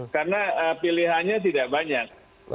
karena pilihannya tidak banyak